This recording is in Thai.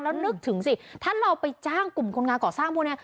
แล้วนึกถึงสิถ้าเราไปจ้างกลุ่มคนงานก่อสร้างพวกนี้